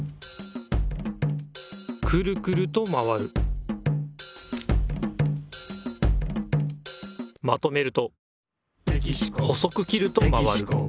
くるくるとまわるまとめると細く切るとまわる。